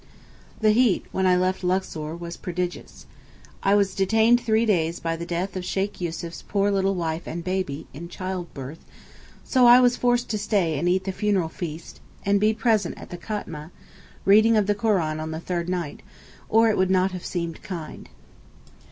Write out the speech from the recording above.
The heat, when I left Luxor, was prodigious. I was detained three days by the death of Sheykh Yussuf's poor little wife and baby (in childbirth) so I was forced to stay and eat the funeral feast, and be present at the Khatmeh (reading of the Koran on the third night), or it would not have seemed kind.